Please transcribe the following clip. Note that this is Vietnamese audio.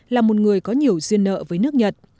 là một người có nhiều duyên nợ với nước nhật